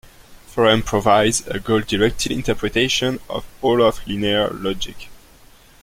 Forum provides a goal-directed interpretation of all of linear logic.